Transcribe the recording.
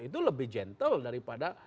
itu lebih gentle daripada